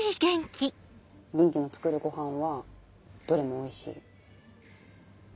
元気の作るごはんはどれもおいしい。